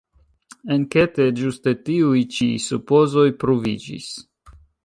Enkete ĝuste tiuj ĉi supozoj pruviĝis.